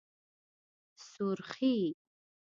💄سورخي